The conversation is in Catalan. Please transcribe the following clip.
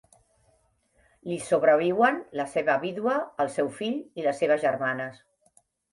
Li sobreviuen la seva vídua, el seu fill i les seves germanes.